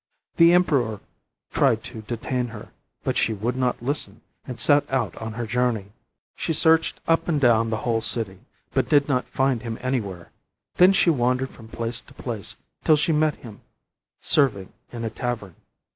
The emperor tried to detain her, but she would not listen and set out on her journey. She searched up and down the whole city, but did not find him anywhere. Then she wandered from place to place till she met him serving in a tavern.